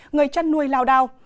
người chăn nuôi lao đào